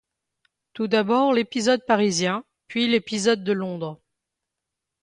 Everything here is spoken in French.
Tout d'abord l'épisode parisien, puis l'épisode de Londres...